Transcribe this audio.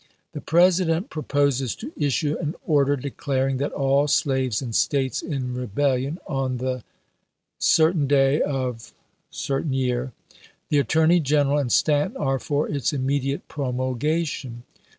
The President proposes to issue an order declaring that, all slaves in States in rebellion on the day of The Attorney G eneral and Stanton are for its immedi ate promulgation.